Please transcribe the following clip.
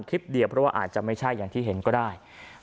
คลิปเดียวเพราะว่าอาจจะไม่ใช่อย่างที่เห็นก็ได้